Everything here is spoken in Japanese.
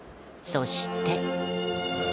そして。